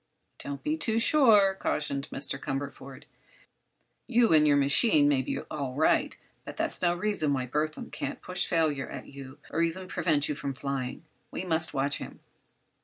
"Don't be too sure," cautioned Mr. Cumberford. "You and your machine may be all right, but that's no reason why Burthon can't push failure at you, or even prevent you from flying. We must watch him."